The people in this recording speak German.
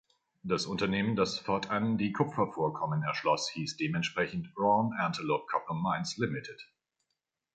Das Unternehmen, das fortan die Kupfervorkommen erschloss, hieß dementsprechend "Roan Antelope Copper Mines Ltd".